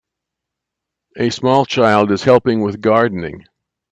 A small child is helping with gardening.